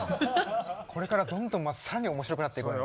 これからどんどん更に面白くなっていくの。